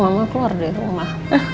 mama keluar dari rumah